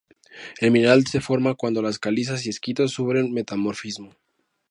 El mineral se forma cuando las calizas y esquistos sufren metamorfismo.